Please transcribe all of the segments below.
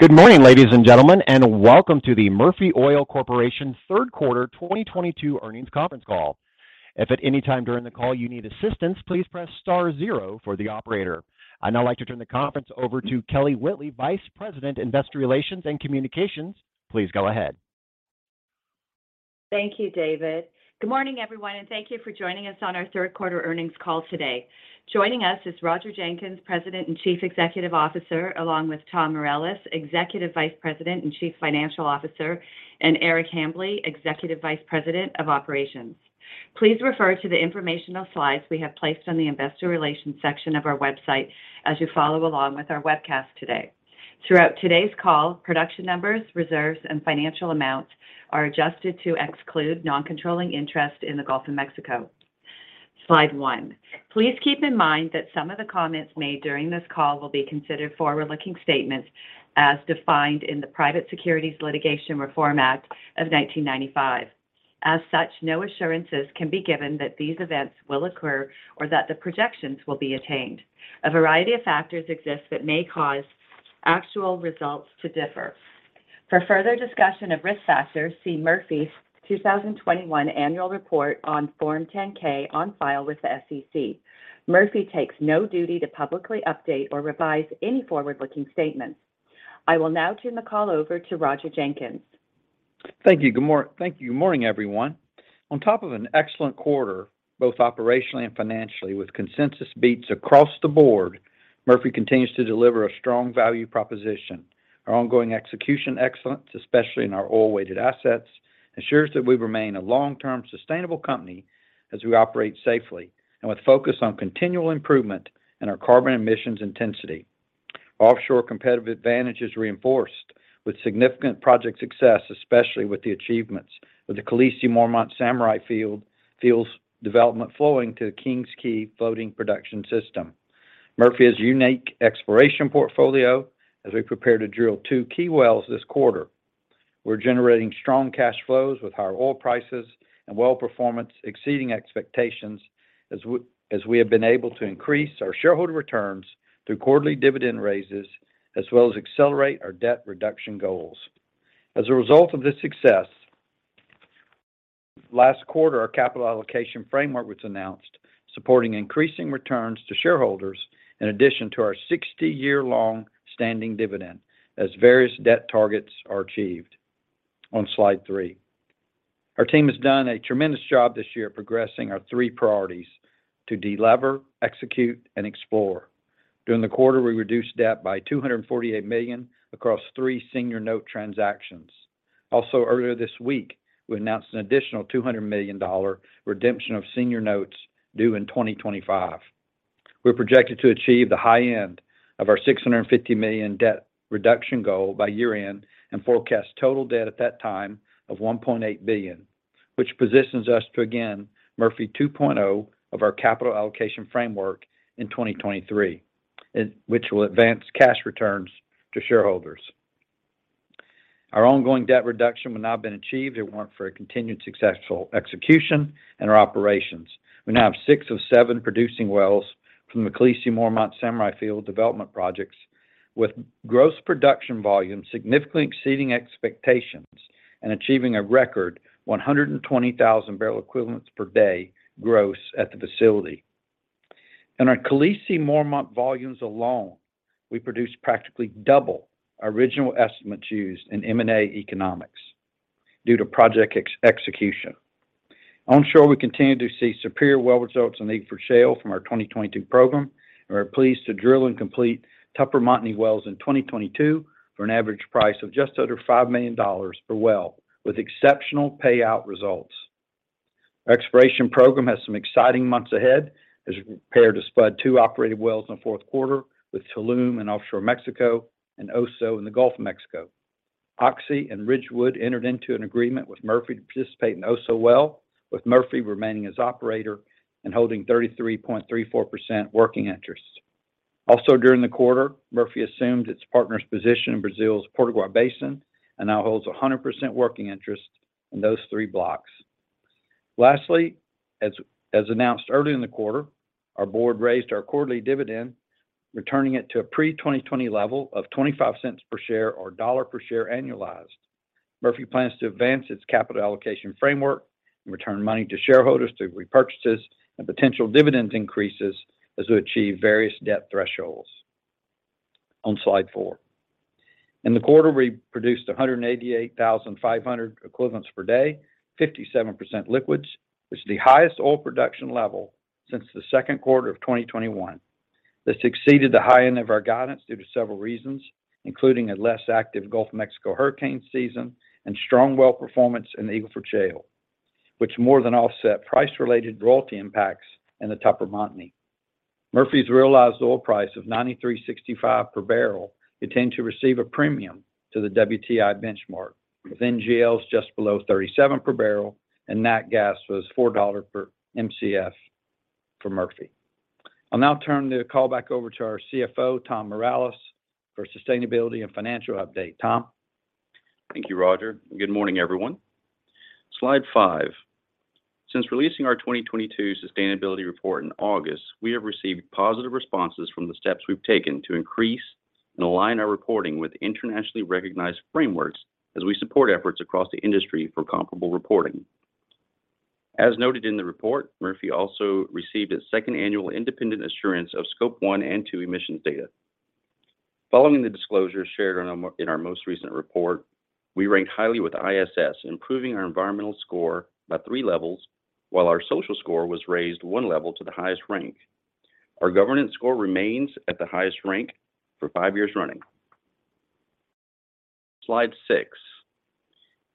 Good morning, ladies and gentlemen, and welcome to the Murphy Oil Corporation third quarter 2022 earnings conference call. If at any time during the call you need assistance, please press star zero for the operator. I'd now like to turn the conference over to Kelly Whitley, Vice President, Investor Relations and Communications. Please go ahead. Thank you, David. Good morning, everyone, and thank you for joining us on our third quarter earnings call today. Joining us is Roger Jenkins, President and Chief Executive Officer, along with Tom Morales, Executive Vice President and Chief Financial Officer, and Eric Hambly, Executive Vice President of Operations. Please refer to the informational slides we have placed on the investor relations section of our website as you follow along with our webcast today. Throughout today's call, production numbers, reserves, and financial amounts are adjusted to exclude non-controlling interest in the Gulf of Mexico. Slide one. Please keep in mind that some of the comments made during this call will be considered forward-looking statements as defined in the Private Securities Litigation Reform Act of 1995. As such, no assurances can be given that these events will occur or that the projections will be attained. A variety of factors exist that may cause actual results to differ. For further discussion of risk factors, see Murphy's 2021 annual report on Form 10-K on file with the SEC. Murphy takes no duty to publicly update or revise any forward-looking statements. I will now turn the call over to Roger Jenkins. Thank you. Good morning, everyone. On top of an excellent quarter, both operationally and financially, with consensus beats across the board, Murphy continues to deliver a strong value proposition. Our ongoing execution excellence, especially in our oil-weighted assets, ensures that we remain a long-term sustainable company as we operate safely and with focus on continual improvement in our carbon emissions intensity. Offshore competitive advantage is reinforced with significant project success, especially with the achievements of the Khaleesi, Mormont and Samurai fields development flowing to the King's Quay floating production system. Murphy has a unique exploration portfolio as we prepare to drill two key wells this quarter. We're generating strong cash flows with higher oil prices and well performance exceeding expectations as we have been able to increase our shareholder returns through quarterly dividend raises, as well as accelerate our debt reduction goals. As a result of this success, last quarter, our capital allocation framework was announced, supporting increasing returns to shareholders in addition to our 60-year long-standing dividend as various debt targets are achieved. On slide three. Our team has done a tremendous job this year progressing our three priorities to delever, execute, and explore. During the quarter, we reduced debt by $248 million across three senior note transactions. Also earlier this week, we announced an additional $200 million redemption of senior notes due in 2025. We're projected to achieve the high end of our $650 million debt reduction goal by year-end and forecast total debt at that time of $1.8 billion, which positions us to, again, Murphy 2.0 of our capital allocation framework in 2023, which will advance cash returns to shareholders. Our ongoing debt reduction would not been achieved if it weren't for a continued successful execution in our operations. We now have six of seven producing wells from the Khaleesi, Mormont and Samurai field development projects, with gross production volumes significantly exceeding expectations and achieving a record 120,000 barrel equivalents per day gross at the facility. In our Khaleesi and Mormont volumes alone, we produced practically double our original estimates used in M&A economics due to project execution. Onshore, we continue to see superior well results in the Eagle Ford Shale from our 2022 program and are pleased to drill and complete Tupper Montney wells in 2022 for an average price of just under $5 million per well, with exceptional payout results. Our exploration program has some exciting months ahead as we prepare to spud two operated wells in the fourth quarter with Tulum in offshore Mexico and OSO in the Gulf of Mexico. Oxy and Ridgewood Energy entered into an agreement with Murphy to participate in OSO well, with Murphy remaining as operator and holding 33.34% working interest. Also during the quarter, Murphy assumed its partner's position in Brazil's Potiguar Basin and now holds 100% working interest in those three blocks. Lastly, as announced earlier in the quarter, our board raised our quarterly dividend, returning it to a pre-2020 level of $0.25 per share or $1 per share annualized. Murphy plans to advance its capital allocation framework and return money to shareholders through repurchases and potential dividend increases as we achieve various debt thresholds. On slide four. In the quarter, we produced 188,500 equivalents per day, 57% liquids, which is the highest oil production level since the second quarter of 2021. This exceeded the high end of our guidance due to several reasons, including a less active Gulf of Mexico hurricane season and strong well performance in the Eagle Ford Shale, which more than offset price-related royalty impacts in the Tupper Montney. Murphy's realized oil price of $93.65 per barrel continued to receive a premium to the WTI benchmark, with NGLs just below $37 per barrel, and natural gas was $4 per Mcf for Murphy. I'll now turn the call back over to our CFO, Tom Morales, for sustainability and financial update. Tom? Thank you, Roger, and good morning, everyone. Slide five. Since releasing our 2022 sustainability report in August, we have received positive responses from the steps we've taken to increase and align our reporting with internationally recognized frameworks as we support efforts across the industry for comparable reporting. As noted in the report, Murphy also received its second annual independent assurance of Scope 1 and 2 emissions data. Following the disclosure shared in our most recent report, we ranked highly with ISS, improving our environmental score by three levels, while our social score was raised one level to the highest rank. Our governance score remains at the highest rank for five years running. Slide six.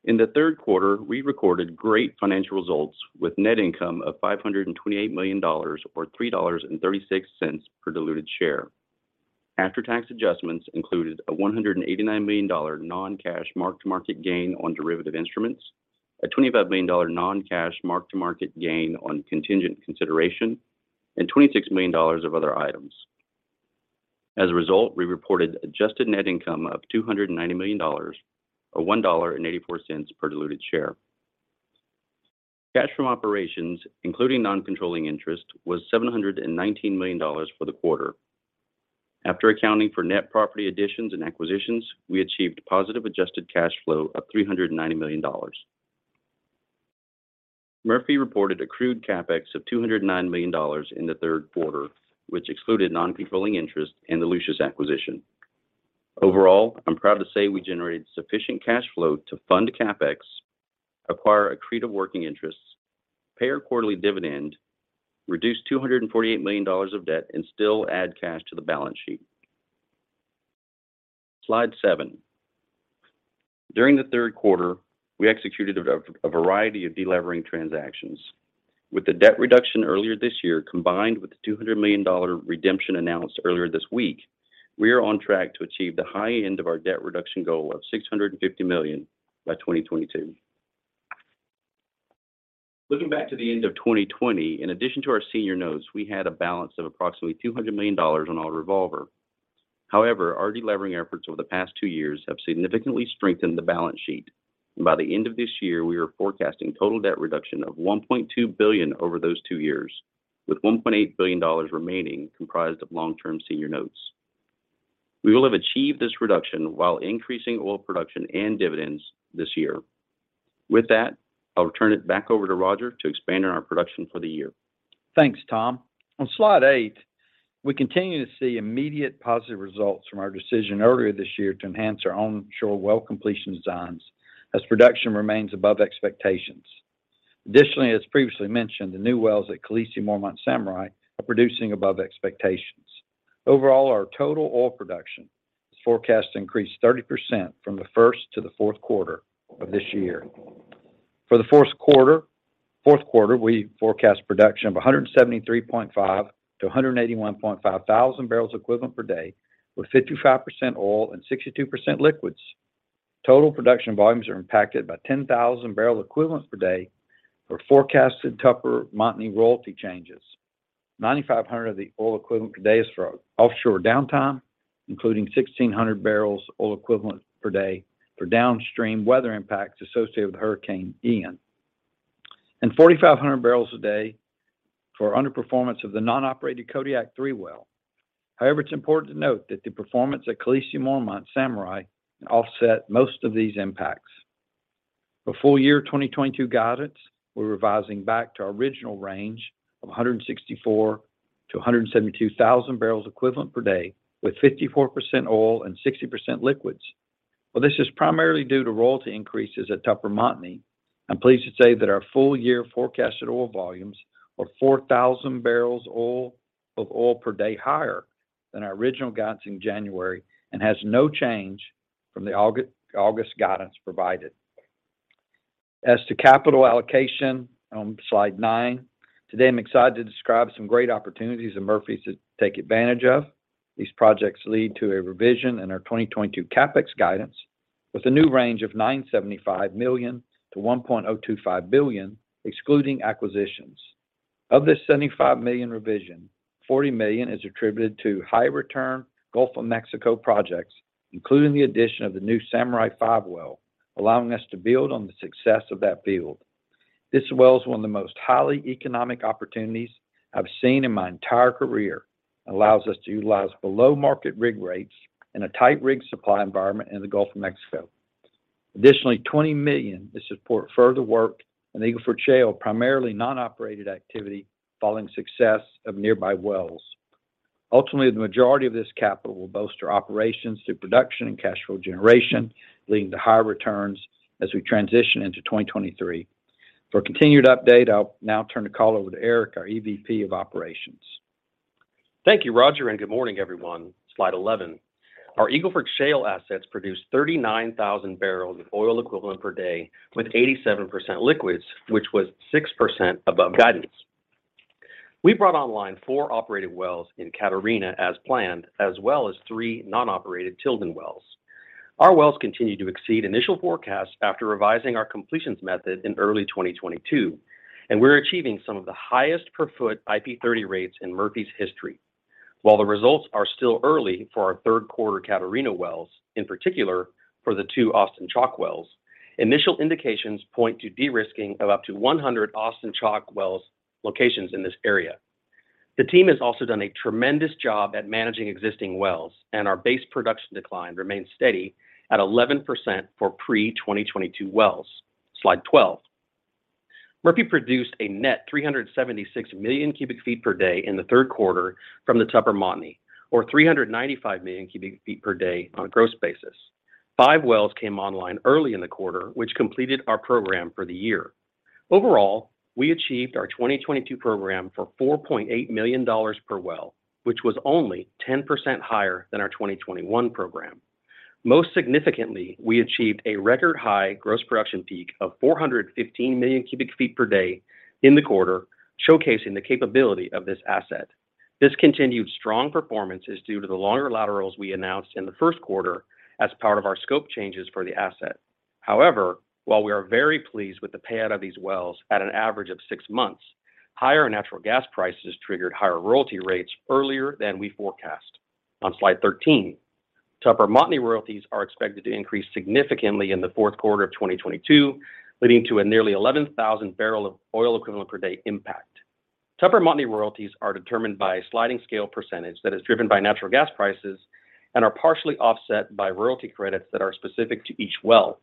In the third quarter, we recorded great financial results with net income of $528 million or $3.36 per diluted share. After-tax adjustments included a $189 million non-cash mark-to-market gain on derivative instruments, a $25 million non-cash mark-to-market gain on contingent consideration, and $26 million of other items. As a result, we reported adjusted net income of $290 million, or $1.84 per diluted share. Cash from operations, including non-controlling interest, was $719 million for the quarter. After accounting for net property additions and acquisitions, we achieved positive adjusted cash flow of $390 million. Murphy reported accrued CapEx of $209 million in the third quarter, which excluded non-controlling interest in the Lucius acquisition. Overall, I'm proud to say we generated sufficient cash flow to fund CapEx, acquire accretive working interests, pay our quarterly dividend, reduce $248 million of debt, and still add cash to the balance sheet. Slide seven. During the third quarter, we executed a variety of de-levering transactions. With the debt reduction earlier this year, combined with the $200 million redemption announced earlier this week, we are on track to achieve the high end of our debt reduction goal of $650 million by 2022. Looking back to the end of 2020, in addition to our senior notes, we had a balance of approximately $200 million on our revolver. However, our de-levering efforts over the past two years have significantly strengthened the balance sheet. By the end of this year, we are forecasting total debt reduction of $1.2 billion over those two years, with $1.8 billion remaining comprised of long-term senior notes. We will have achieved this reduction while increasing oil production and dividends this year. With that, I'll turn it back over to Roger to expand on our production for the year. Thanks, Tom. On slide eight, we continue to see immediate positive results from our decision earlier this year to enhance our onshore well completion designs as production remains above expectations. Additionally, as previously mentioned, the new wells at Khaleesi, Mormont and Samurai are producing above expectations. Overall, our total oil production is forecast to increase 30% from the first to the fourth quarter of this year. For the fourth quarter, we forecast production of 173.5-181.5 thousand barrels equivalent per day, with 55% oil and 62% liquids. Total production volumes are impacted by 10,000 barrel equivalents per day for forecasted Tupper Montney royalty changes. 9,500 of the oil equivalent per day is from offshore downtime, including 1,600 barrels oil equivalent per day for downstream weather impacts associated with Hurricane Ian. 4,500 barrels a day for underperformance of the non-operated Kodiak 3 well. However, it's important to note that the performance at Khaleesi, Mormont, and Samurai offset most of these impacts. For full year 2022 guidance, we're revising back to our original range of 164,000-172,000 barrels equivalent per day, with 54% oil and 60% liquids. While this is primarily due to royalty increases at Tupper-Montney, I'm pleased to say that our full year forecasted oil volumes are 4,000 barrels of oil per day higher than our original guidance in January and has no change from the August guidance provided. As to capital allocation on slide nine, today I'm excited to describe some great opportunities that Murphy's to take advantage of. These projects lead to a revision in our 2022 CapEx guidance with a new range of $975 million-$1.025 billion, excluding acquisitions. Of this $75 million revision, $40 million is attributed to high return Gulf of Mexico projects, including the addition of the new Samurai 5 well, allowing us to build on the success of that field. This well is one of the most highly economic opportunities I've seen in my entire career. Allows us to utilize below-market rig rates in a tight rig supply environment in the Gulf of Mexico. Additionally, $20 million is to support further work in the Eagle Ford Shale, primarily non-operated activity following success of nearby wells. Ultimately, the majority of this capital will bolster operations through production and cash flow generation, leading to higher returns as we transition into 2023. For a continued update, I'll now turn the call over to Eric, our EVP of operations. Thank you, Roger, and good morning, everyone. Slide 11. Our Eagle Ford Shale assets produced 39,000 barrels of oil equivalent per day with 87% liquids, which was 6% above guidance. We brought online four operated wells in Catarina as planned, as well as three non-operated Tilden wells. Our wells continue to exceed initial forecasts after revising our completions method in early 2022, and we're achieving some of the highest per foot IP30 rates in Murphy's history. While the results are still early for our third quarter Catarina wells, in particular for the two Austin Chalk wells, initial indications point to de-risking of up to 100 Austin Chalk wells locations in this area. The team has also done a tremendous job at managing existing wells, and our base production decline remains steady at 11% for pre-2022 wells. Slide 12. Murphy produced a net 376 million cu ft per day in the third quarter from the Tupper Montney, or 395 million cu ft per day on a gross basis. Five wells came online early in the quarter, which completed our program for the year. Overall, we achieved our 2022 program for $4.8 million per well, which was only 10% higher than our 2021 program. Most significantly, we achieved a record high gross production peak of 415 million cu ft per day in the quarter, showcasing the capability of this asset. This continued strong performance is due to the longer laterals we announced in the first quarter as part of our scope changes for the asset. However, while we are very pleased with the payout of these wells at an average of six months, higher natural gas prices triggered higher royalty rates earlier than we forecast. On slide 13, Tupper Montney royalties are expected to increase significantly in the fourth quarter of 2022, leading to a nearly 11,000 barrel of oil equivalent per day impact. Tupper Montney royalties are determined by a sliding scale percentage that is driven by natural gas prices and are partially offset by royalty credits that are specific to each well.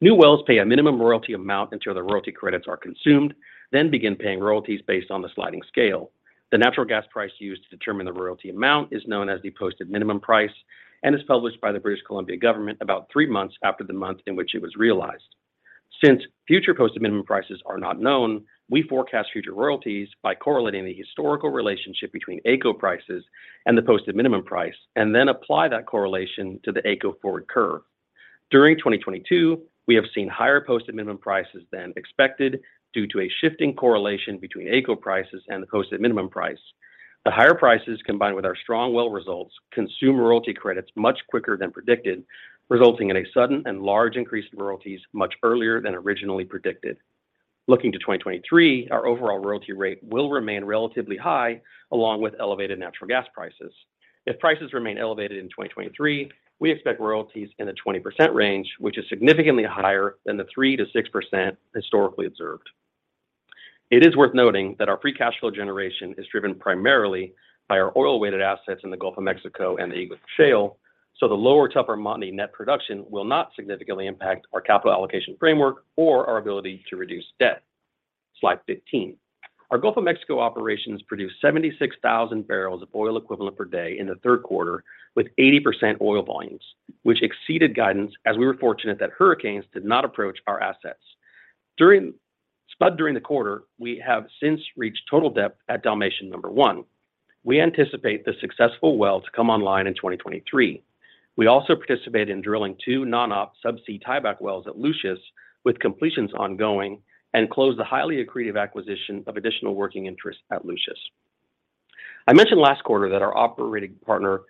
New wells pay a minimum royalty amount until the royalty credits are consumed, then begin paying royalties based on the sliding scale. The natural gas price used to determine the royalty amount is known as the Posted Minimum Price and is published by the British Columbia government about three months after the month in which it was realized. Since future Posted Minimum Prices are not known, we forecast future royalties by correlating the historical relationship between AECO prices and the Posted Minimum Price, and then apply that correlation to the AECO forward curve. During 2022, we have seen higher Posted Minimum Prices than expected due to a shifting correlation between AECO prices and the Posted Minimum Price. The higher prices, combined with our strong well results, consume royalty credits much quicker than predicted, resulting in a sudden and large increase in royalties much earlier than originally predicted. Looking to 2023, our overall royalty rate will remain relatively high, along with elevated natural gas prices. If prices remain elevated in 2023, we expect royalties in the 20% range, which is significantly higher than the 3%-6% historically observed. It is worth noting that our free cash flow generation is driven primarily by our oil-weighted assets in the Gulf of Mexico and the Eagle Ford Shale, so the lower Tupper Montney net production will not significantly impact our capital allocation framework or our ability to reduce debt. Slide 15. Our Gulf of Mexico operations produced 76,000 barrels of oil equivalent per day in the third quarter, with 80% oil volumes, which exceeded guidance as we were fortunate that hurricanes did not approach our assets. Spud during the quarter, we have since reached total depth at Dalmatian 1. We anticipate the successful well to come online in 2023. We also participated in drilling two non-op subsea tieback wells at Lucius with completions ongoing and closed the highly accretive acquisition of additional working interest at Lucius. I mentioned last quarter that our operating partner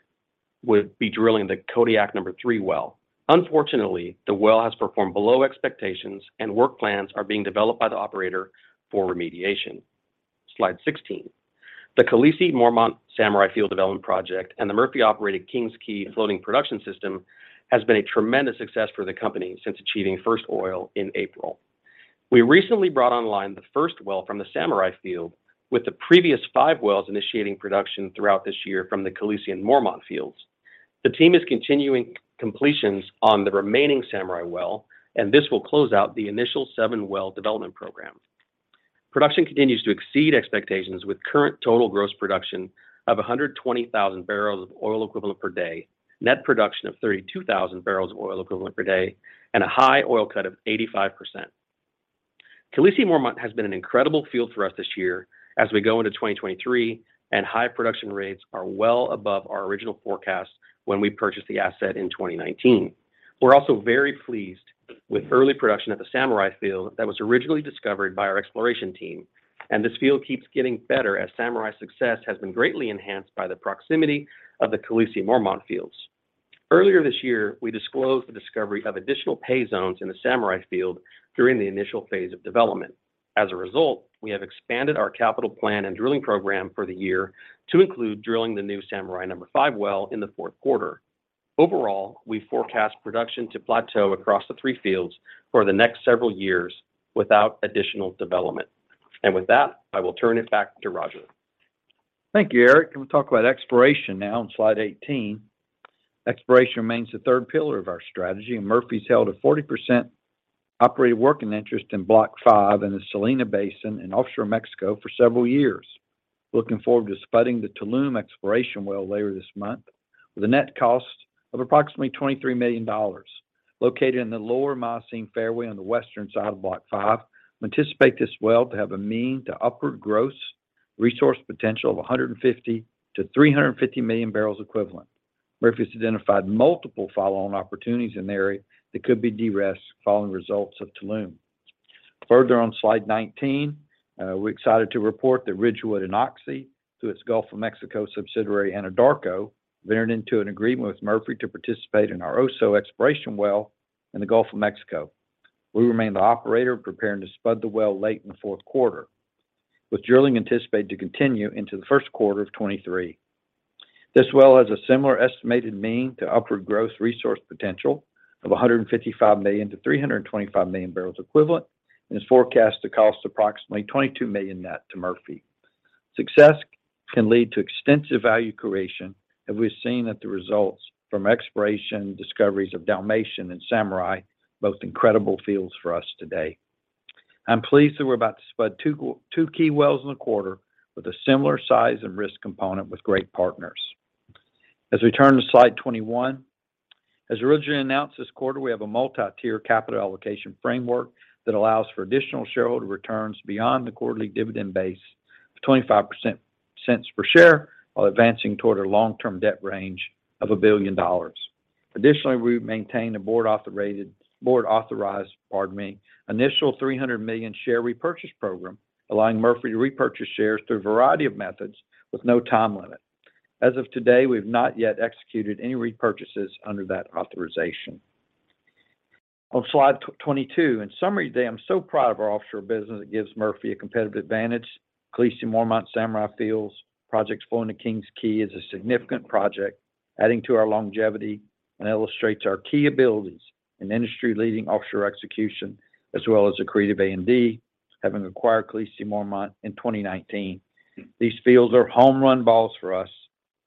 would be drilling the Kodiak 3 well. Unfortunately, the well has performed below expectations and work plans are being developed by the operator for remediation. Slide 16. The Khaleesi, Mormont, and Samurai field development project and the Murphy-operated King's Quay floating production system has been a tremendous success for the company since achieving first oil in April. We recently brought online the first well from the Samurai field with the previous five wells initiating production throughout this year from the Khaleesi and Mormont fields. The team is continuing completions on the remaining Samurai well, and this will close out the initial seven-well development program. Production continues to exceed expectations with current total gross production of 120,000 barrels of oil equivalent per day, net production of 32,000 barrels of oil equivalent per day, and a high oil cut of 85%. Khaleesi and Mormont has been an incredible field for us this year as we go into 2023, and high production rates are well above our original forecast when we purchased the asset in 2019. We're also very pleased with early production at the Samurai field that was originally discovered by our exploration team, and this field keeps getting better as Samurai's success has been greatly enhanced by the proximity of the Khaleesi and Mormont fields. Earlier this year, we disclosed the discovery of additional pay zones in the Samurai field during the initial phase of development. As a result, we have expanded our capital plan and drilling program for the year to include drilling the new Samurai 5 well in the fourth quarter. Overall, we forecast production to plateau across the three fields for the next several years without additional development. With that, I will turn it back to Roger. Thank you, Eric. We'll talk about exploration now on slide 18. Exploration remains the third pillar of our strategy, and Murphy's held a 40% operated working interest in Block 5 in the Salina Basin in offshore Mexico for several years. Looking forward to spudding the Tulum exploration well later this month with a net cost of approximately $23 million. Located in the lower Miocene fairway on the western side of Block 5, we anticipate this well to have a mean to upside gross resource potential of 150-350 million barrels equivalent. Murphy's identified multiple follow-on opportunities in the area that could be de-risked following results of Tulum. Further on slide 19, we're excited to report that Ridgewood and Oxy, through its Gulf of Mexico subsidiary Anadarko, entered into an agreement with Murphy to participate in our Oso exploration well in the Gulf of Mexico. We remain the operator preparing to spud the well late in the fourth quarter, with drilling anticipated to continue into the first quarter of 2023. This well has a similar estimated mean unrisked gross resource potential of 155 million-325 million barrels equivalent, and is forecast to cost approximately $22 million net to Murphy. Success can lead to extensive value creation, and we've seen that the results from exploration discoveries of Dalmatian and Samurai, both incredible fields for us today. I'm pleased that we're about to spud two key wells in the quarter with a similar size and risk component with great partners. As we turn to slide 21, as originally announced this quarter, we have a multi-tier capital allocation framework that allows for additional shareholder returns beyond the quarterly dividend base of $0.25 per share, while advancing toward our long-term debt range of $1 billion. Additionally, we maintain a board authorized initial $300 million share repurchase program, allowing Murphy to repurchase shares through a variety of methods with no time limit. As of today, we've not yet executed any repurchases under that authorization. On slide 22, in summary today, I'm so proud of our offshore business. It gives Murphy a competitive advantage. Khaleesi, Mormont and Samurai fields projects flowing to King's Quay is a significant project adding to our longevity and illustrates our key abilities in industry-leading offshore execution, as well as accretive A&D, having acquired Khaleesi, Mormont in 2019. These fields are home run balls for us,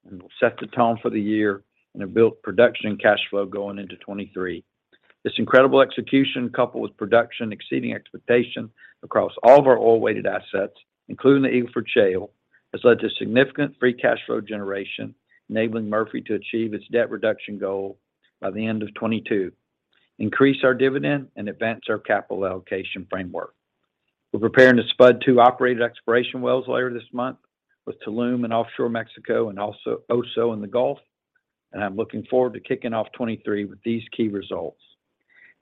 and will set the tone for the year, and have built production and cash flow going into 2023. This incredible execution, coupled with production exceeding expectation across all of our oil-weighted assets, including the Eagle Ford Shale, has led to significant free cash flow generation, enabling Murphy to achieve its debt reduction goal by the end of 2022, increase our dividend, and advance our capital allocation framework. We're preparing to spud two operated exploration wells later this month with Tulum in offshore Mexico and also Oso in the Gulf, and I'm looking forward to kicking off 2023 with these key results.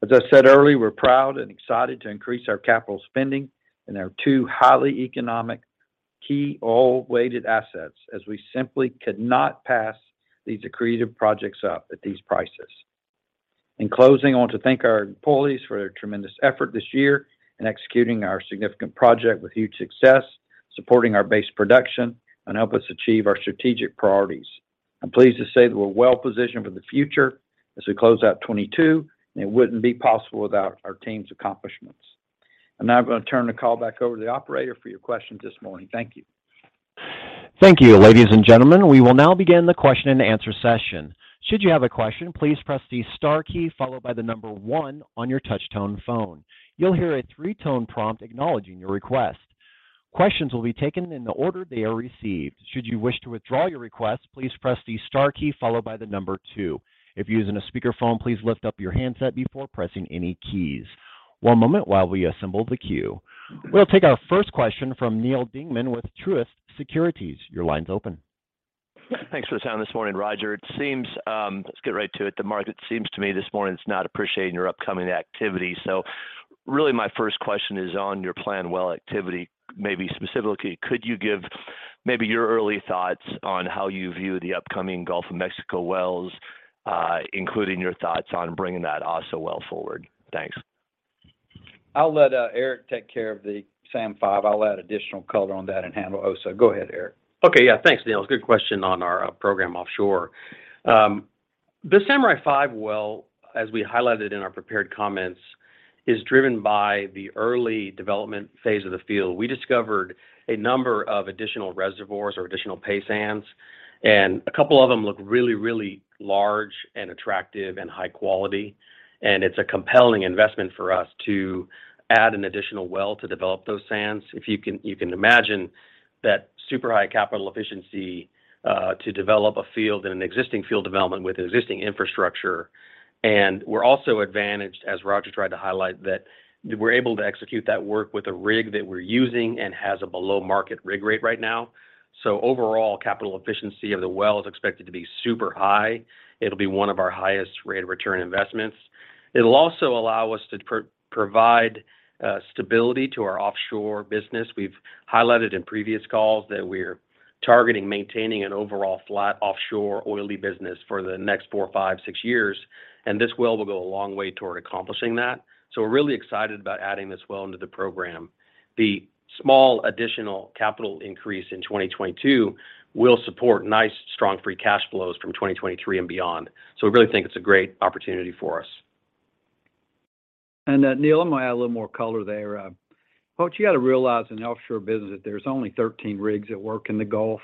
As I said earlier, we're proud and excited to increase our capital spending in our two highly economic key oil-weighted assets, as we simply could not pass these accretive projects up at these prices. In closing, I want to thank our employees for their tremendous effort this year in executing our significant project with huge success, supporting our base production, and help us achieve our strategic priorities. I'm pleased to say that we're well positioned for the future as we close out 2022, and it wouldn't be possible without our team's accomplishments. I'm now going to turn the call back over to the operator for your questions this morning. Thank you. Thank you. Ladies and gentlemen, we will now begin the question and answer session. Should you have a question, please press the star key followed by the number one on your touch-tone phone. You'll hear a three-tone prompt acknowledging your request. Questions will be taken in the order they are received. Should you wish to withdraw your request, please press the star key followed by the number two. If you're using a speakerphone, please lift up your handset before pressing any keys. One moment while we assemble the queue. We'll take our first question from Neal Dingmann with Truist Securities. Your line's open. Thanks for the time this morning, Roger. It seems, let's get right to it. The market seems to me this morning is not appreciating your upcoming activity. Really my first question is on your planned well activity. Maybe specifically, could you give maybe your early thoughts on how you view the upcoming Gulf of Mexico wells, including your thoughts on bringing that Oso well forward? Thanks. I'll let Eric take care of the Samurai. I'll add additional color on that and handle Oso. Go ahead, Eric. Okay. Yeah. Thanks, Neal. It's a good question on our program offshore. The Samurai 5 well, as we highlighted in our prepared comments, is driven by the early development phase of the field. We discovered a number of additional reservoirs or additional pay sands, and a couple of them look really, really large and attractive and high quality. It's a compelling investment for us to add an additional well to develop those sands. You can imagine that super high capital efficiency to develop a field in an existing field development with existing infrastructure. We're also advantaged, as Roger tried to highlight, that we're able to execute that work with a rig that we're using and has a below-market rig rate right now. Overall, capital efficiency of the well is expected to be super high. It'll be one of our highest rate of return investments. It'll also allow us to provide stability to our offshore business. We've highlighted in previous calls that we're targeting maintaining an overall flat offshore oil business for the next four, five, six years, and this well will go a long way toward accomplishing that. We're really excited about adding this well into the program. The small additional capital increase in 2022 will support nice, strong free cash flows from 2023 and beyond. We really think it's a great opportunity for us. Neal, I'm going to add a little more color there. What you got to realize in the offshore business that there's only 13 rigs that work in the Gulf.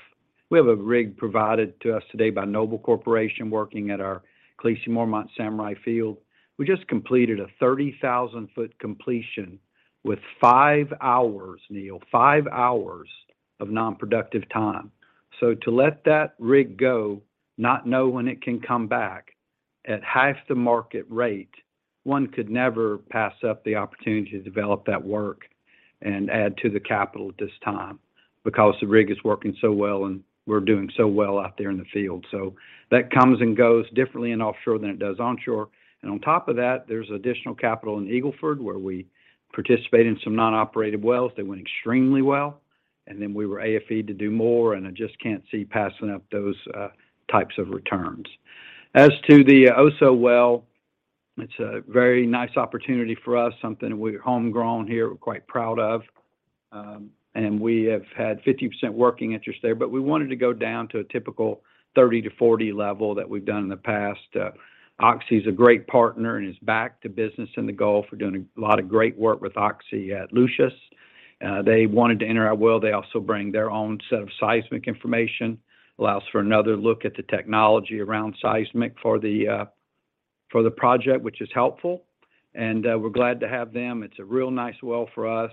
We have a rig provided to us today by Noble Corporation working at our Khaleesi, Mormont and Samurai field. We just completed a 30,000-foot completion with five hours, Neal, five hours of non-productive time. To let that rig go, not know when it can come back at half the market rate, one could never pass up the opportunity to develop that work and add to the capital at this time because the rig is working so well and we're doing so well out there in the field. That comes and goes differently in offshore than it does onshore. On top of that, there's additional capital in Eagle Ford, where we participate in some non-operated wells. They went extremely well. Then we were AFE'd to do more, and I just can't see passing up those types of returns. As to the OSO well, it's a very nice opportunity for us, something we're homegrown here, we're quite proud of. We have had 50% working interest there, but we wanted to go down to a typical 30%-40% level that we've done in the past. Oxy is a great partner and is back to business in the Gulf. We're doing a lot of great work with Oxy at Lucius. They wanted to enter our well. They also bring their own set of seismic information, allows for another look at the technology around seismic for the project, which is helpful. We're glad to have them. It's a real nice well for us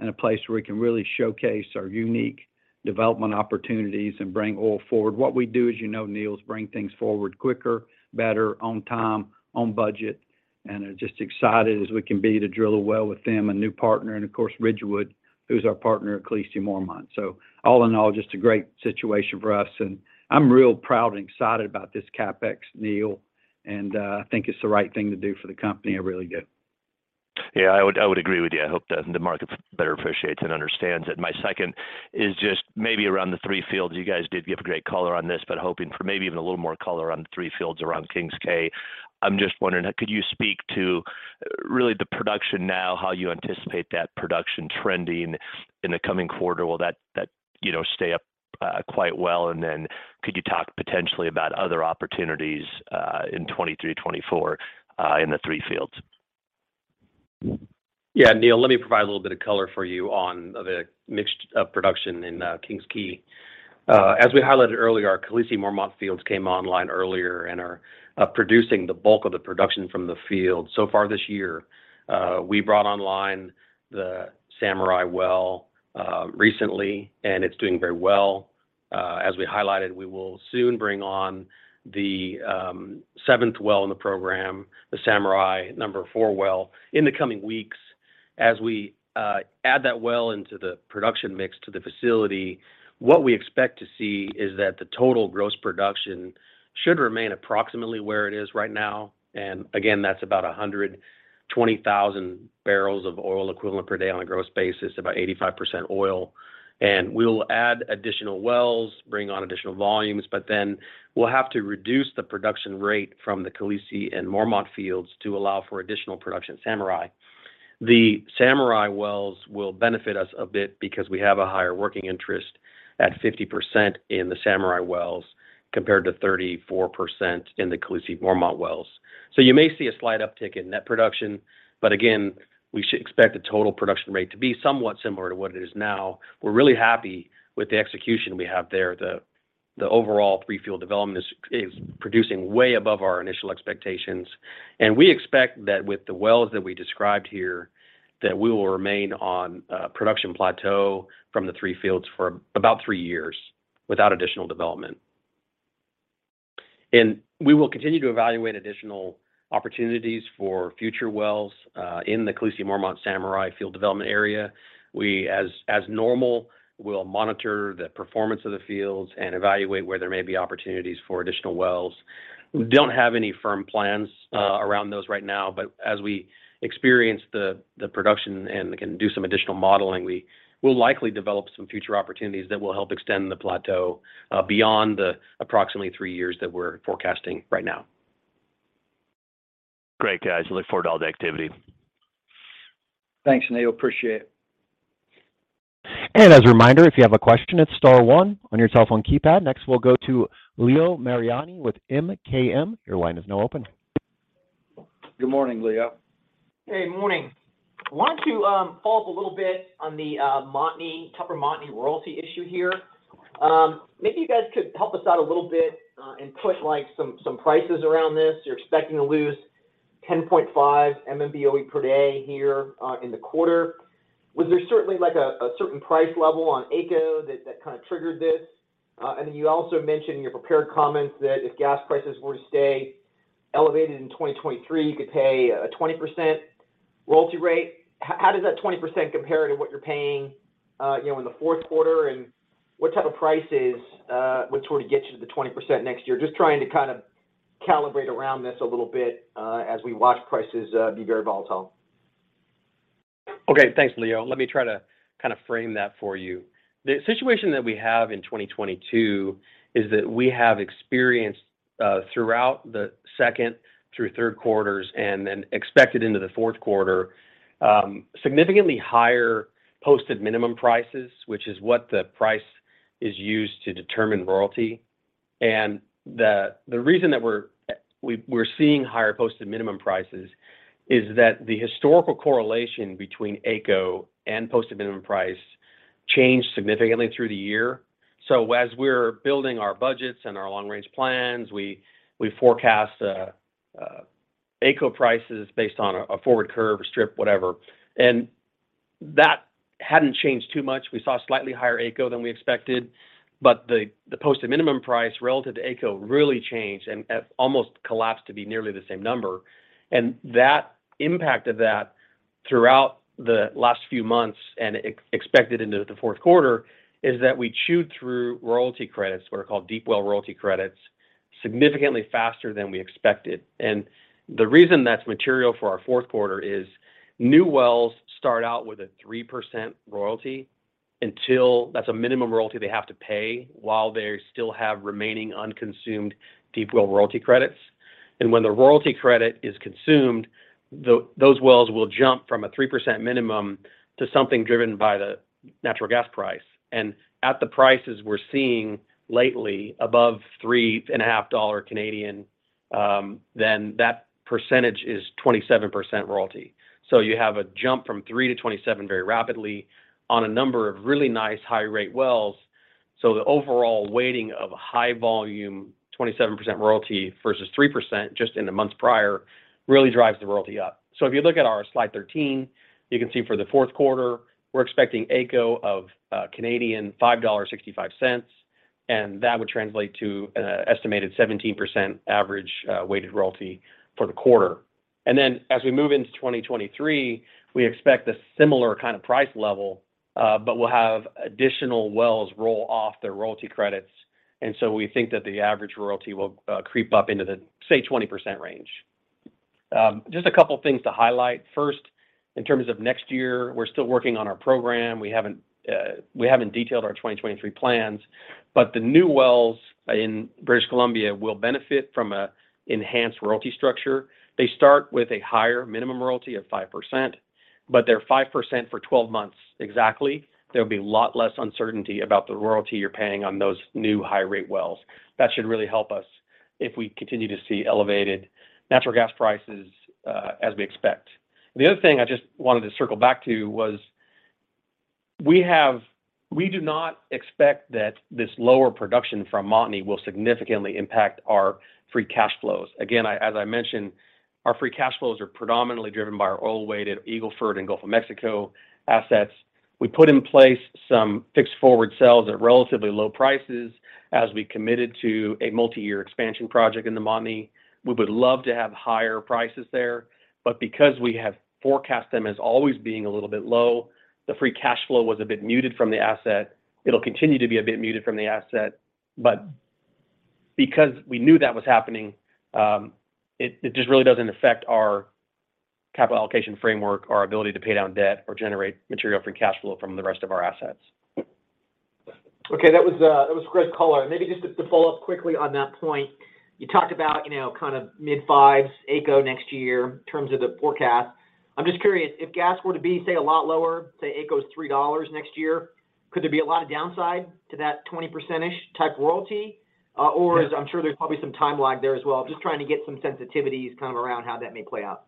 and a place where we can really showcase our unique development opportunities and bring oil forward. What we do, as you know, Neal, is bring things forward quicker, better, on time, on budget, and we're just as excited as we can be to drill a well with them, a new partner, and of course, Ridgewood, who's our partner at Khaleesi and Mormont. All in all, just a great situation for us. I'm real proud and excited about this CapEx, Neal, and I think it's the right thing to do for the company. I really do. Yeah, I would agree with you. I hope the market better appreciates and understands it. My second is just maybe around the three fields. You guys did give a great color on this, but hoping for maybe even a little more color on the three fields around King's Quay. I'm just wondering, could you speak to really the production now, how you anticipate that production trending in the coming quarter? Will that, you know, stay up quite well? Could you talk potentially about other opportunities in 2023, 2024 in the three fields? Yeah, Neil, let me provide a little bit of color for you on the mixed production in King's Quay. As we highlighted earlier, our Khaleesi and Mormont fields came online earlier and are producing the bulk of the production from the field so far this year. We brought online the Samurai well recently, and it's doing very well. As we highlighted, we will soon bring on the seventh well in the program, the Samurai 4 well in the coming weeks. As we add that well into the production mix to the facility, what we expect to see is that the total gross production should remain approximately where it is right now. Again, that's about 120,000 barrels of oil equivalent per day on a gross basis, about 85% oil. We'll add additional wells, bring on additional volumes, but then we'll have to reduce the production rate from the Khaleesi and Mormont fields to allow for additional production at Samurai. The Samurai wells will benefit us a bit because we have a higher working interest at 50% in the Samurai wells compared to 34% in the Khaleesi and Mormont wells. You may see a slight uptick in net production, but again, we should expect the total production rate to be somewhat similar to what it is now. We're really happy with the execution we have there. The overall three-field development is producing way above our initial expectations. We expect that with the wells that we described here, that we will remain on a production plateau from the three fields for about three years without additional development. We will continue to evaluate additional opportunities for future wells in the Khaleesi, Mormont and Samurai field development area. We, as normal, will monitor the performance of the fields and evaluate where there may be opportunities for additional wells. We don't have any firm plans around those right now, but as we experience the production and can do some additional modeling, we will likely develop some future opportunities that will help extend the plateau beyond the approximately three years that we're forecasting right now. Great, guys. Look forward to all the activity. Thanks, Neal. Appreciate it. As a reminder, if you have a question, it's star one on your cell phone keypad. Next, we'll go to Leo Mariani with MKM. Your line is now open. Good morning, Leo. Hey, morning. I wanted to follow up a little bit on the Montney, Tupper Montney royalty issue here. Maybe you guys could help us out a little bit and put like some prices around this. You're expecting to lose 10.5 MMBOE per day here in the quarter. Was there certainly like a certain price level on AECO that kind of triggered this? And you also mentioned in your prepared comments that if gas prices were to stay elevated in 2023, you could pay a 20% royalty rate. How does that 20% compare to what you're paying you know in the fourth quarter? And what type of prices would sort of get you to the 20% next year? Just trying to kind of calibrate around this a little bit, as we watch prices be very volatile. Okay. Thanks, Leo. Let me try to kind of frame that for you. The situation that we have in 2022 is that we have experienced throughout the second through third quarters and then expected into the fourth quarter significantly higher Posted Minimum Prices, which is what the price is used to determine royalty. The reason that we're seeing higher Posted Minimum Prices is that the historical correlation between AECO and Posted Minimum Price changed significantly through the year. As we're building our budgets and our long-range plans, we forecast AECO prices based on a forward curve, a strip, whatever. That hadn't changed too much. We saw slightly higher AECO than we expected, but the Posted Minimum Price relative to AECO really changed and almost collapsed to be nearly the same number. That impact of that throughout the last few months and expected into the fourth quarter is that we chewed through royalty credits, what are called deep well royalty credits, significantly faster than we expected. The reason that's material for our fourth quarter is new wells start out with a 3% royalty. Until that's a minimum royalty they have to pay while they still have remaining unconsumed deep well royalty credits. When the royalty credit is consumed, those wells will jump from a 3% minimum to something driven by the natural gas price. At the prices we're seeing lately above 3.50 dollar, then that percentage is 27% royalty. You have a jump from 3%-27% very rapidly on a number of really nice high rate wells. The overall weighting of a high volume, 27% royalty versus 3% just in the months prior really drives the royalty up. If you look at our slide 13, you can see for the fourth quarter, we're expecting AECO of 5.65 Canadian dollars, and that would translate to an estimated 17% average weighted royalty for the quarter. As we move into 2023, we expect a similar kind of price level, but we'll have additional wells roll off their royalty credits, and so we think that the average royalty will creep up into the, say, 20% range. Just a couple of things to highlight. First, in terms of next year, we're still working on our program. We haven't detailed our 2023 plans, but the new wells in British Columbia will benefit from an enhanced royalty structure. They start with a higher minimum royalty of 5%, but they're 5% for 12 months exactly. There'll be a lot less uncertainty about the royalty you're paying on those new high rate wells. That should really help us if we continue to see elevated natural gas prices, as we expect. The other thing I just wanted to circle back to was we do not expect that this lower production from Montney will significantly impact our free cash flows. Again, as I mentioned, our free cash flows are predominantly driven by our oil-weighted Eagle Ford and Gulf of Mexico assets. We put in place some fixed forward sales at relatively low prices as we committed to a multi-year expansion project in the Montney. We would love to have higher prices there, but because we have forecast them as always being a little bit low, the free cash flow was a bit muted from the asset. It'll continue to be a bit muted from the asset. Because we knew that was happening, it just really doesn't affect our capital allocation framework, our ability to pay down debt or generate material free cash flow from the rest of our assets. Okay. That was great color. Maybe just to follow up quickly on that point, you talked about, you know, kind of mid-five CAD AECO next year in terms of the forecast. I'm just curious, if gas were to be, say, a lot lower, say, AECO is 3 dollars next year, could there be a lot of downside to that 20%-ish type royalty? Or I'm sure there's probably some time lag there as well. Just trying to get some sensitivities kind of around how that may play out.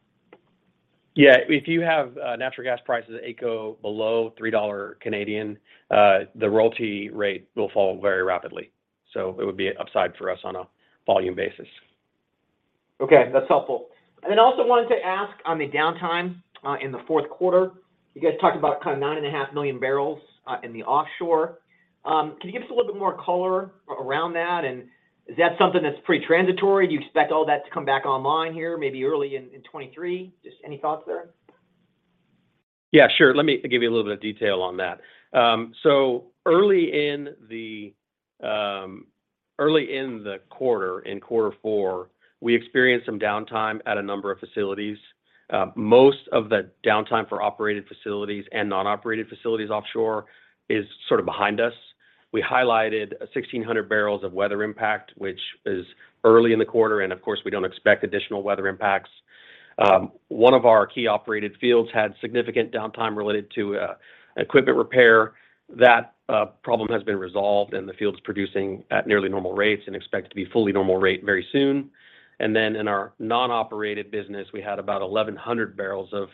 Yeah. If you have natural gas prices AECO below 3 Canadian dollars, the royalty rate will fall very rapidly. It would be an upside for us on a volume basis. Okay, that's helpful. I also wanted to ask on the downtime in the fourth quarter. You guys talked about kind of 9.5 million barrels in the offshore. Can you give us a little bit more color around that? Is that something that's pretty transitory? Do you expect all that to come back online here maybe early in 2023? Just any thoughts there? Yeah, sure. Let me give you a little bit of detail on that. Early in the quarter, in quarter four, we experienced some downtime at a number of facilities. Most of the downtime for operated facilities and non-operated facilities offshore is sort of behind us. We highlighted 1,600 barrels of weather impact, which is early in the quarter, and of course, we don't expect additional weather impacts. One of our key operated fields had significant downtime related to equipment repair. That problem has been resolved, and the field is producing at nearly normal rates and expect to be fully normal rate very soon. Then in our non-operated business, we had about 1,100 barrels of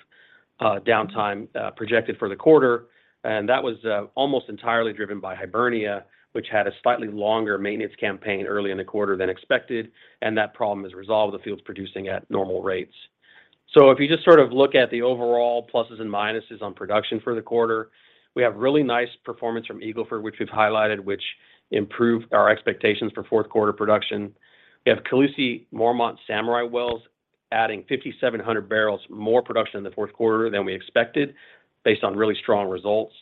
downtime projected for the quarter, and that was almost entirely driven by Hibernia, which had a slightly longer maintenance campaign early in the quarter than expected. That problem is resolved. The field is producing at normal rates. If you just sort of look at the overall pluses and minuses on production for the quarter, we have really nice performance from Eagle Ford, which we've highlighted, which improved our expectations for fourth quarter production. We have Khaleesi, Mormont and Samurai wells adding 5,700 barrels more production in the fourth quarter than we expected based on really strong results.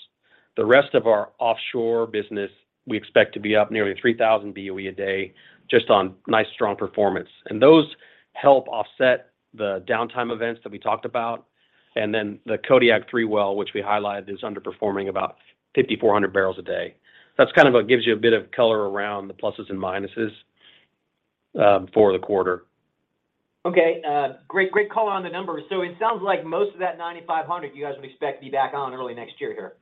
The rest of our offshore business, we expect to be up nearly 3,000 BOE a day just on nice, strong performance. Those help offset the downtime events that we talked about. The Kodiak 3 well, which we highlighted, is underperforming about 5,400 barrels a day. That's kind of what gives you a bit of color around the pluses and minuses for the quarter. Okay. Great color on the numbers. It sounds like most of that $9,500 you guys would expect to be back on early next year here.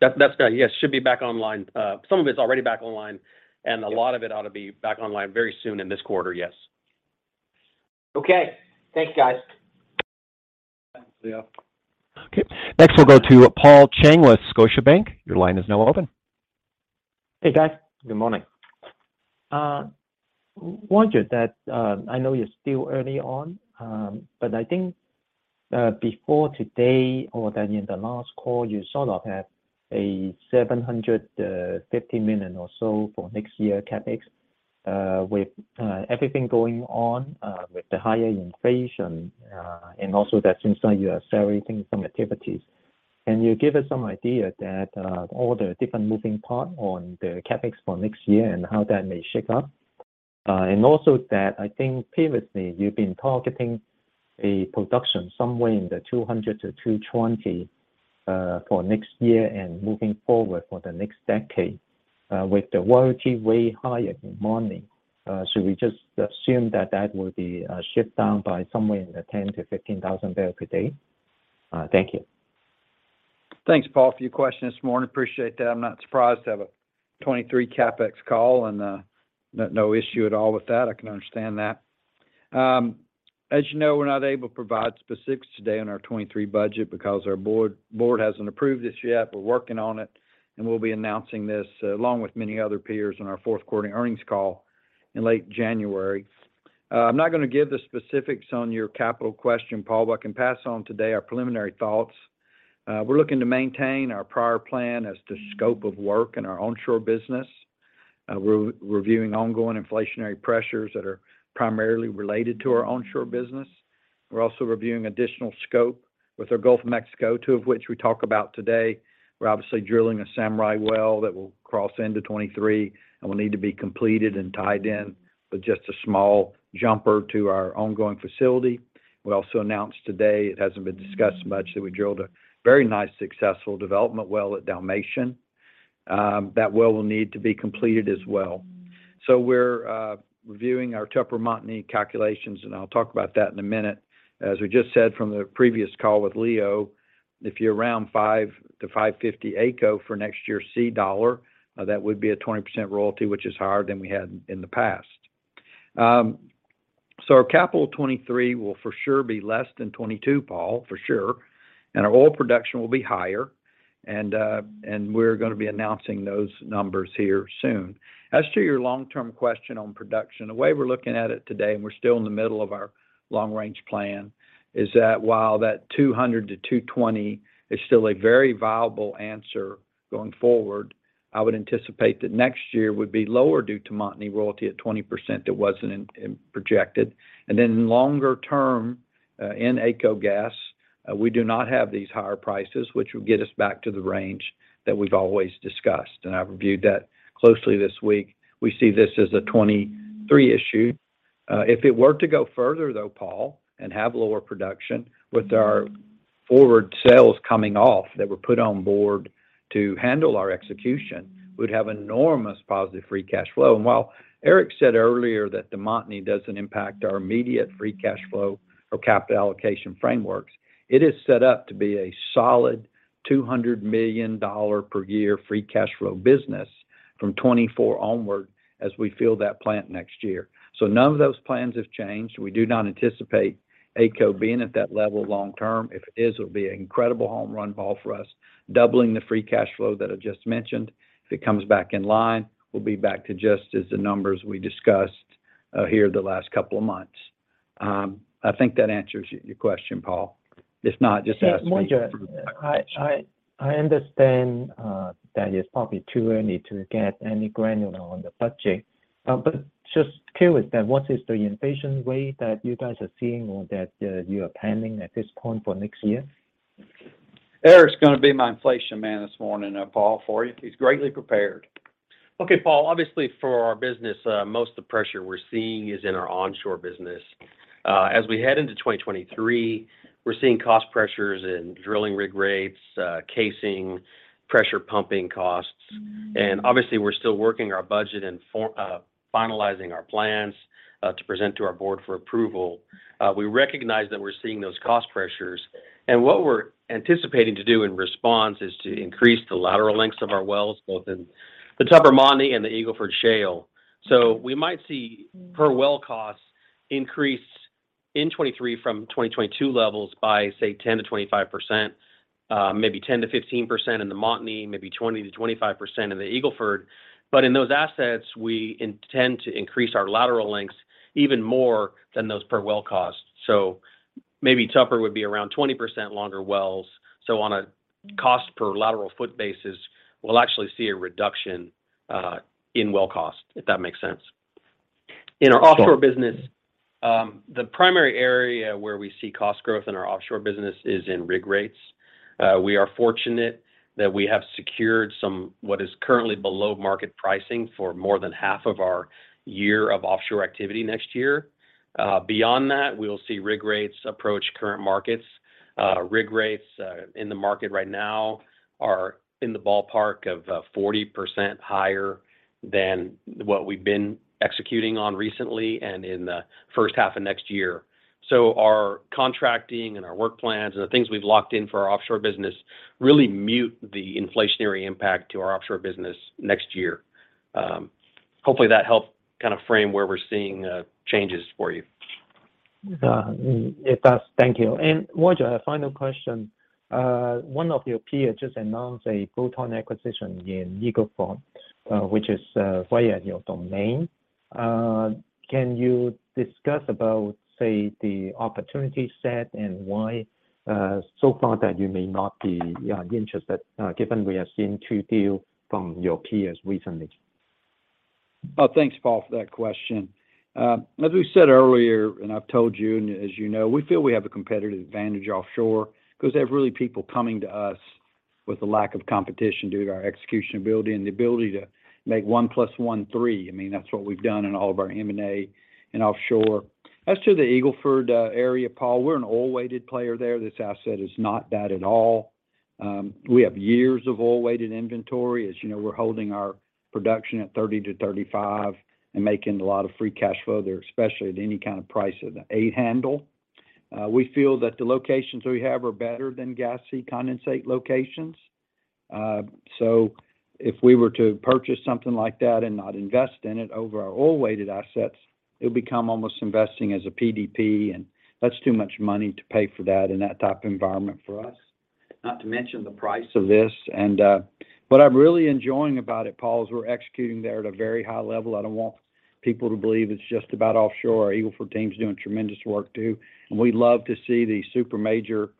That's right. Yes. Should be back online. Some of it's already back online, and a lot of it ought to be back online very soon in this quarter. Yes. Okay. Thank you, guys. See you. Okay. Next we'll go to Paul Cheng with Scotiabank. Your line is now open. Hey, guys. Good morning. I know you're still early on, but I think before today or then in the last call, you sort of had $750 million or so for next year CapEx with everything going on with the higher inflation and also it seems like you are accelerating some activities. Can you give us some idea of all the different moving parts on the CapEx for next year and how that may shake up? Also, I think previously you've been targeting a production somewhere in the 200-220 for next year and moving forward for the next decade, with the royalties way higher than many. Should we just assume that will be shipped down by somewhere in the 10,000-15,000 barrels per day? Thank you. Thanks, Paul, for your question this morning. Appreciate that. I'm not surprised to have a 2023 CapEx call and no issue at all with that. I can understand that. As you know, we're not able to provide specifics today on our 2023 budget because our board hasn't approved this yet. We're working on it, and we'll be announcing this, along with many other peers on our fourth quarter earnings call in late January. I'm not gonna give the specifics on your capital question, Paul, but I can pass on today our preliminary thoughts. We're looking to maintain our prior plan as to scope of work in our onshore business. We're reviewing ongoing inflationary pressures that are primarily related to our onshore business. We're also reviewing additional scope with our Gulf of Mexico, two of which we talk about today. We're obviously drilling a Samurai well that will cross into 2023, and will need to be completed and tied in with just a small jumper to our ongoing facility. We also announced today, it hasn't been discussed much, that we drilled a very nice successful development well at Dalmatian. That well will need to be completed as well. We're reviewing our Tupper Montney calculations, and I'll talk about that in a minute. As we just said from the previous call with Leo, if you're around 5-5.50 AECO for next year's Canadian dollar, that would be a 20% royalty, which is higher than we had in the past. Our capital 2023 will for sure be less than 2022, Paul, for sure. Our oil production will be higher, and we're gonna be announcing those numbers here soon. As to your long-term question on production, the way we're looking at it today, and we're still in the middle of our long range plan, is that while that 200-220 is still a very viable answer going forward, I would anticipate that next year would be lower due to Montney royalty at 20% that wasn't in projected. Longer term, in AECO Gas, we do not have these higher prices, which will get us back to the range that we've always discussed. I've reviewed that closely this week. We see this as a 2023 issue. If it were to go further though, Paul, and have lower production with our forward sales coming off that were put on board to handle our execution, we'd have enormous positive free cash flow. While Eric said earlier that the Montney doesn't impact our immediate free cash flow or capital allocation frameworks, it is set up to be a solid $200 million per year free cash flow business from 2024 onward as we fill that plant next year. None of those plans have changed. We do not anticipate AECO being at that level long term. If it is, it'll be an incredible home run ball for us, doubling the free cash flow that I just mentioned. If it comes back in line, we'll be back to just as the numbers we discussed here the last couple of months. I think that answers your question, Paul. If not, just ask me. Yeah. Roger, I understand that it's probably too early to get any granular on the budget. Just curious then, what is the inflation rate that you guys are seeing or that you are planning at this point for next year? Eric's gonna be my inflation man this morning, Paul, for you. He's greatly prepared. Okay, Paul. Obviously, for our business, most of the pressure we're seeing is in our onshore business. As we head into 2023, we're seeing cost pressures in drilling rig rates, casing, pressure pumping costs. Obviously, we're still working our budget and for finalizing our plans to present to our board for approval. We recognize that we're seeing those cost pressures. What we're anticipating to do in response is to increase the lateral lengths of our wells, both in the Tupper Montney and the Eagle Ford Shale. We might see per well costs increase in 2023 from 2022 levels by, say, 10%-25%. Maybe 10%-15% in the Montney, maybe 20%-25% in the Eagle Ford. In those assets, we intend to increase our lateral lengths even more than those per well costs. Maybe Tupper would be around 20% longer wells. On a cost per lateral foot basis, we'll actually see a reduction in well cost, if that makes sense. In our offshore business, the primary area where we see cost growth in our offshore business is in rig rates. We are fortunate that we have secured some, what is currently below market pricing for more than half of our year of offshore activity next year. Beyond that, we'll see rig rates approach current markets. Rig rates in the market right now are in the ballpark of 40% higher than what we've been executing on recently and in the first half of next year. Our contracting and our work plans and the things we've locked in for our offshore business really mute the inflationary impact to our offshore business next year. Hopefully that helped kind of frame where we're seeing changes for you. Yeah. It does. Thank you. Roger, a final question. One of your peers just announced a bolt-on acquisition in Eagle Ford, which is way out of your domain. Can you discuss about, say, the opportunity set and why so far that you may not be interested, given we have seen two deals from your peers recently? Oh, thanks, Paul, for that question. As we said earlier, and I've told you, and as you know, we feel we have a competitive advantage offshore because there are really people coming to us. With the lack of competition due to our execution ability and the ability to make one plus one three. I mean, that's what we've done in all of our M&A and offshore. As to the Eagle Ford area, Paul, we're an oil-weighted player there. This asset is not that at all. We have years of oil-weighted inventory. As you know, we're holding our production at 30-35 and making a lot of free cash flow there, especially at any kind of price of the eight handle. We feel that the locations we have are better than gassy condensate locations. If we were to purchase something like that and not invest in it over our oil-weighted assets, it would become almost investing as a PDP, and that's too much money to pay for that in that type of environment for us. Not to mention the price of this. What I'm really enjoying about it, Paul, is we're executing there at a very high level. I don't want people to believe it's just about offshore. Our Eagle Ford team's doing tremendous work too, and we love to see the super major,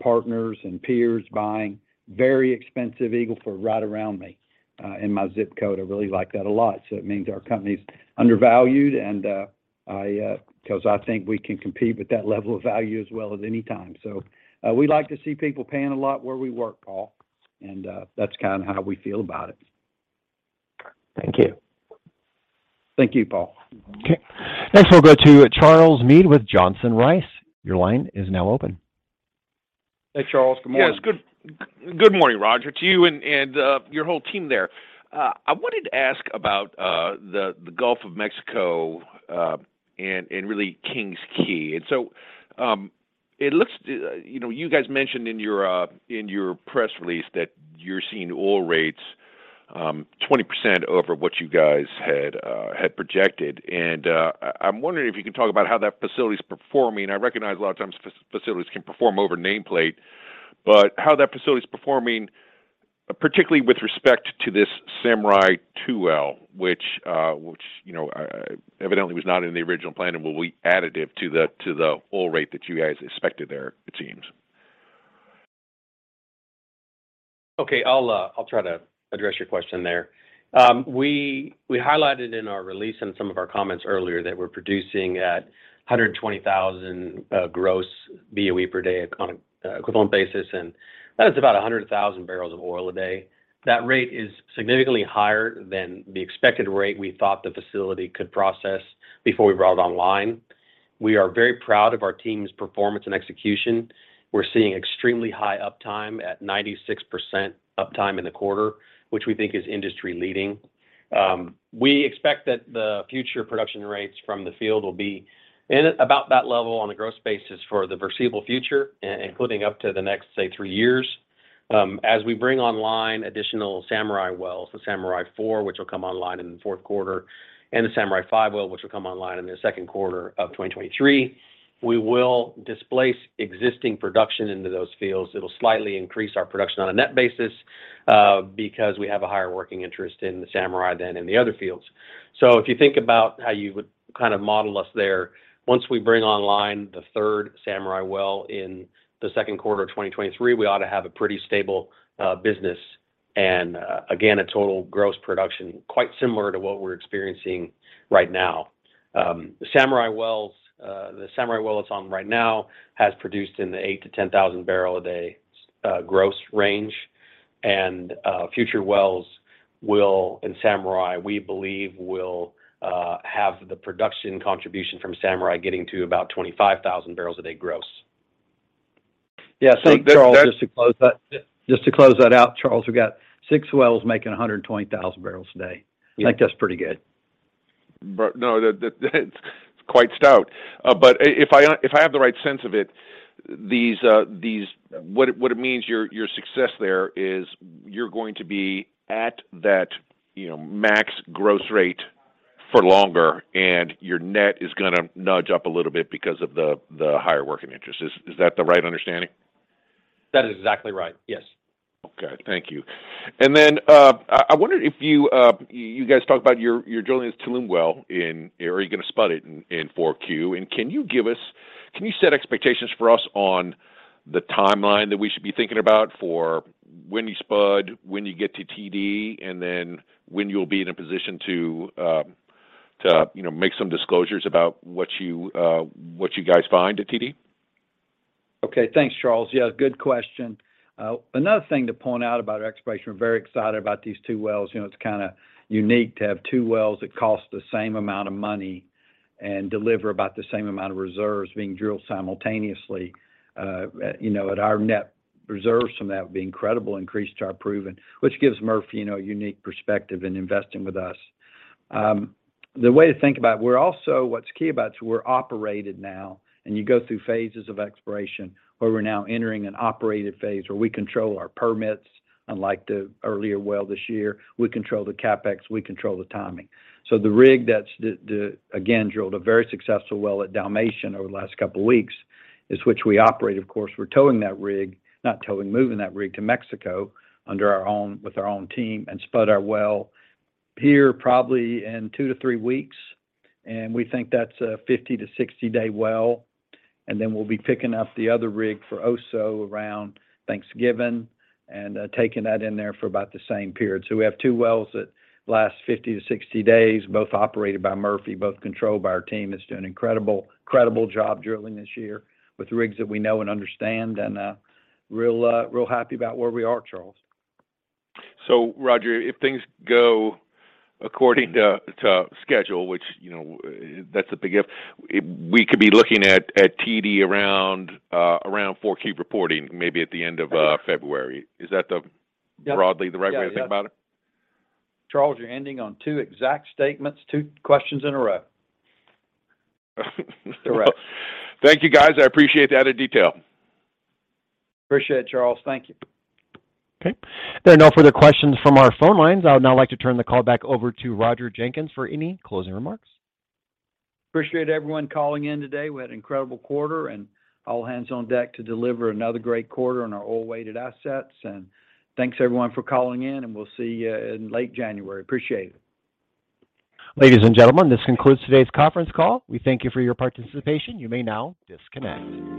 partners and peers buying very expensive Eagle Ford right around me, in my zip code. I really like that a lot. It means our company's undervalued, and 'cause I think we can compete with that level of value as well as any time. we like to see people paying a lot where we work, Paul, and that's kind of how we feel about it. Thank you. Thank you, Paul. Okay. Next we'll go to Charles Meade with Johnson Rice. Your line is now open. Hey, Charles. Good morning. Yes. Good morning, Roger, to you and your whole team there. I wanted to ask about the Gulf of Mexico and really King's Quay. It looks you know you guys mentioned in your press release that you're seeing oil rates 20% over what you guys had projected. I'm wondering if you could talk about how that facility's performing. I recognize a lot of times facilities can perform over nameplate, but how that facility's performing, particularly with respect to this Samurai 2 Well, which you know evidently was not in the original plan and will be additive to the oil rate that you guys expected there it seems. I'll try to address your question there. We highlighted in our release and some of our comments earlier that we're producing at 120,000 gross BOE per day on a equivalent basis, and that is about 100,000 barrels of oil a day. That rate is significantly higher than the expected rate we thought the facility could process before we brought it online. We are very proud of our team's performance and execution. We're seeing extremely high uptime at 96% uptime in the quarter, which we think is industry leading. We expect that the future production rates from the field will be in about that level on a growth basis for the foreseeable future, including up to the next, say, three years. As we bring online additional Samurai wells, the Samurai 4, which will come online in the fourth quarter, and the Samurai 5 well, which will come online in the second quarter of 2023, we will displace existing production into those fields. It'll slightly increase our production on a net basis, because we have a higher working interest in the Samurai than in the other fields. If you think about how you would kind of model us there, once we bring online the third Samurai well in the second quarter of 2023, we ought to have a pretty stable business and, again, a total gross production quite similar to what we're experiencing right now. The Samurai wells, the Samurai well that's on right now has produced in the 8,000-10,000 barrels a day gross range. Future wells will, in Samurai, we believe, have the production contribution from Samurai getting to about 25,000 barrels a day gross. Yeah. Charles, just to close that out, Charles, we've got six wells making 120,000 barrels a day. Yeah. I think that's pretty good. It's quite stout. If I have the right sense of it, these what it means, your success there is you're going to be at that, you know, max gross rate for longer, and your net is gonna nudge up a little bit because of the higher working interest. Is that the right understanding? That is exactly right. Yes. Okay. Thank you. I wondered if you guys talk about your drilling at Tulum well, or are you gonna spud it in 4Q. Can you set expectations for us on the timeline that we should be thinking about for when you spud, when you get to TD, and then when you'll be in a position to, you know, make some disclosures about what you guys find at TD? Okay. Thanks, Charles. Yeah, good question. Another thing to point out about our exploration, we're very excited about these two wells. You know, it's kind of unique to have two wells that cost the same amount of money and deliver about the same amount of reserves being drilled simultaneously. You know, and our net reserves from that would be incredible increase to our proven, which gives Murphy, you know, a unique perspective in investing with us. The way to think about it, what's key about it, we're operated now, and you go through phases of exploration where we're now entering an operated phase where we control our permits, unlike the earlier well this year. We control the CapEx. We control the timing. The rig that drilled a very successful well at Dalmatian over the last couple weeks, which we operate, of course. We're moving that rig to Mexico with our own team and spud our well here probably in two to three weeks. We think that's a 50-60 day well, and then we'll be picking up the other rig for Oso around Thanksgiving and taking that in there for about the same period. We have two wells that last 50-60 days, both operated by Murphy, both controlled by our team that's doing an incredible job drilling this year with rigs that we know and understand, and really happy about where we are, Charles. Roger, if things go according to schedule, which, you know, that's a big if, we could be looking at TD around 4Q reporting, maybe at the end of February. Is that the? Yep broadly the right way to think about it? Charles, you're ending on two exact statements, two questions in a row. That's correct. Thank you, guys. I appreciate the added detail. Appreciate it, Charles. Thank you. Okay. There are no further questions from our phone lines. I would now like to turn the call back over to Roger Jenkins for any closing remarks. Appreciate everyone calling in today. We had an incredible quarter, and all hands on deck to deliver another great quarter on our oil-weighted assets. Thanks everyone for calling in, and we'll see you in late January. Appreciate it. Ladies and gentlemen, this concludes today's conference call. We thank you for your participation. You may now disconnect.